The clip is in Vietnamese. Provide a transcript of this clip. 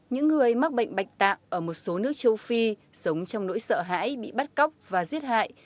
những người mắc bệnh bạch tạng ở một số nước châu phi sống trong nỗi sợ hãi bị bắt cóc và giết hại